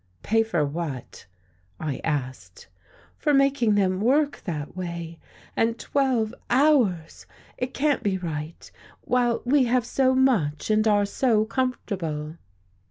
"Pay for what?" I asked. "For making them work that way. And twelve hours! It can't be right, while we have so much, and are so comfortable."